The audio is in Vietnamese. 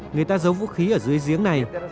người ta giấu vũ khí ở dưới giếng này